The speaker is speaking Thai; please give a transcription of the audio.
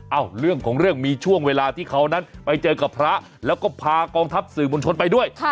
เรื่องของเรื่องมีช่วงเวลาที่เขานั้นไปเจอกับพระแล้วก็พากองทัพสื่อมวลชนไปด้วย